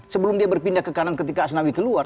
sebelum dia berpindah ke kanan ketika asnawi keluar